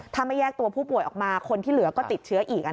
ถ้าไม่แยกตัวผู้ป่วยออกมาคนที่เหลือก็ติดเชื้ออีก